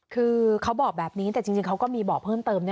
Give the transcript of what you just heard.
คือเขาบอกแบบนี้แต่จริงเขาก็มีบอกเพิ่มเติม